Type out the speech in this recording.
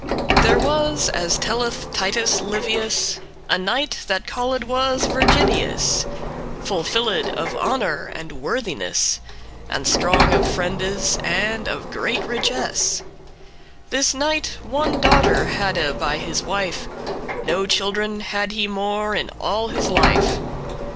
There was, as telleth Titus Livius, <1> A knight, that called was Virginius, Full filled of honour and worthiness, And strong of friendes, and of great richess. This knight one daughter hadde by his wife; No children had he more in all his life.